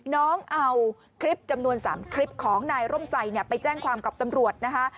น้องเอาคลิปจำนวน๓คลิปของนายร่มใส่ไปแจ้งความกับตำรวจนะคะ